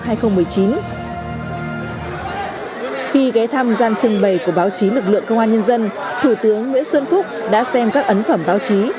khi ghé thăm gian trưng bày của báo chí lực lượng công an nhân dân thủ tướng nguyễn xuân phúc đã xem các ấn phẩm báo chí